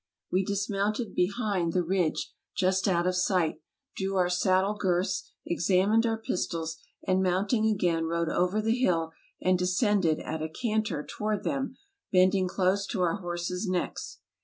We dismounted behind the ridge just out of sight, drew our saddle girths, examined our pistols, and mounting again rode over the hill, and descended at a can ter toward them, bending close to our horses' necks.